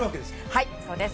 はいそうです。